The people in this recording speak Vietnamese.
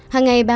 hàng ngày bà ca